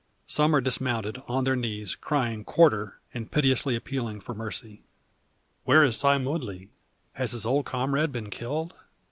Some are dismounted, on their knees crying "quarter," and piteously appealing for mercy. Where is Sime Woodley? Has his old comrade been killed?